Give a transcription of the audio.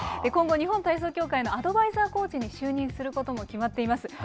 今後、日本体操協会のアドバイザーコーチに就任することも決まっています。